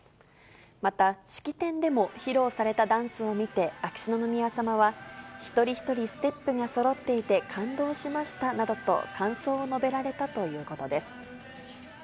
また、式典でも披露されたダンスを見て、秋篠宮さまは、一人一人ステップがそろっていて感動しましたなどと、感想を述べられたということです。